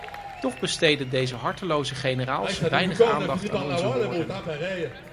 Toch besteden deze harteloze generaals weinig aandacht aan onze woorden.